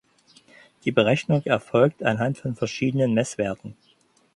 Die Berechnung erfolgt anhand von verschiedenen Messwerten.